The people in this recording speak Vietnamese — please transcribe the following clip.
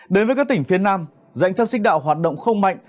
đến với các tỉnh phía nam dạnh thấp xích đạo hoạt động không mạnh